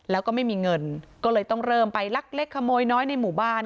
แล้วก็ไม่มีเงินก็เลยต้องเริ่มไปลักเล็กขโมยน้อยในหมู่บ้าน